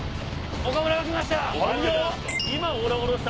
岡村が来ました！